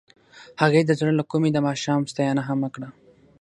هغې د زړه له کومې د ماښام ستاینه هم وکړه.